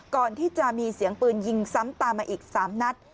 ก่อนที่จะมีเสียงปืนยิงซ้ำตามมาอีก๓นัด